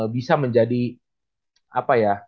bisa menjadi apa ya